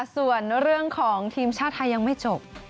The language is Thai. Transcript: ส่วนเรื่องของทีมชาติไทยยังไม่จบ